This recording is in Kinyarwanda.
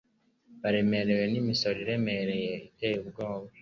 Baremerewe imisoro iremereye iteye ubwoba